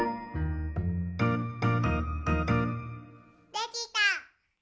できた！